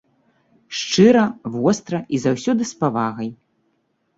Шчыра, востра і заўсёды з павагай.